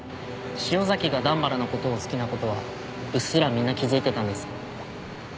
潮崎が段原の事を好きな事はうっすらみんな気づいてたんです。